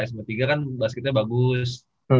sma tiga kan basketnya bagus